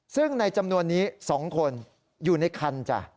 ซึ่งในจำนวนนี้๒คนอยู่ในคันจ้ะ